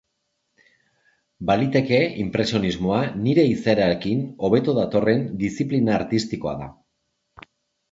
Baliteke inpresionismoa nire izaerarekin hobeto datorren diziplina artistikoa da.